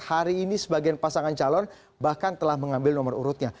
hari ini sebagian pasangan calon bahkan telah mengambil nomor urutnya